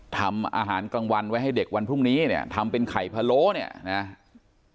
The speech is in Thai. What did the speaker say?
ทำอาหารกลางวันไว้ให้เด็กวันพรุ่งนี้เนี่ยทำเป็นไข่พะโล้เนี่ยนะครับ